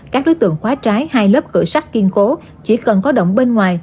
các đối tượng khóa trái hai lớp cửa sách kiên cố chỉ cần có động bên ngoài